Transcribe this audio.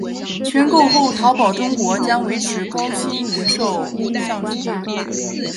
全购后淘宝中国将维持高鑫零售上市地位。